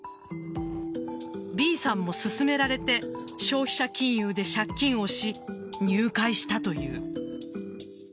Ｂさんも勧められて消費者金融で借金をし入会したという。